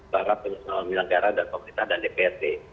pak penyusunan milanggara dan pemerintah dan dprd